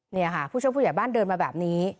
นี่ค่ะผู้ช่วยผู้ใหญ่บ้านเดินมาแบบนี้